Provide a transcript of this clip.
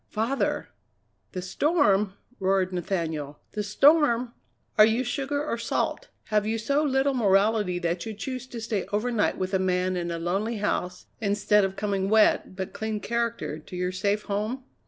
Father " "The storm!" roared Nathaniel; "the storm! Are you sugar or salt? Have you so little morality that you choose to stay overnight with a man in a lonely house instead of coming wet but clean charactered to your safe home?"